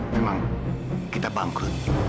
memang kita bangkrut